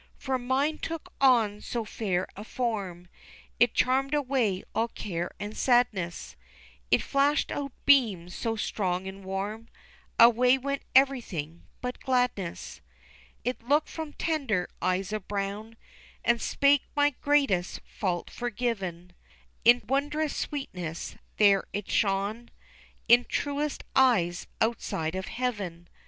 For mine took on so fair a form It charmed away all care and sadness, It flashed out beams so strong and warm, Away went everything but gladness. It looked from tender eyes of brown, And spake my greatest fault forgiven, In wondrous sweetness there it shone In truest eyes outside of heaven.